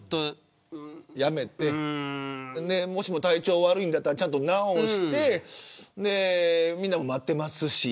やめて、もし体調悪いならちゃんと直してみんなも待ってますし。